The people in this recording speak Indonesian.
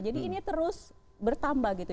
jadi ini terus bertambah gitu